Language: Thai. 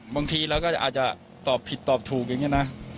บางทีเราก็อาจจะตอบผิดตอบถูกอย่างนี้นะ